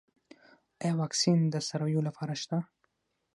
آیا واکسین د څارویو لپاره شته؟